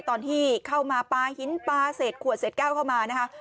ตอนที่เข้ามาปลาหินปลาเสร็จขวดเสร็จแก้วเข้ามา